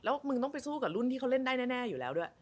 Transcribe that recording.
แล้วมึงต้องไปสู้กับรุ่นที่เขาเล่นได้แน่อยู่แล้วด้วย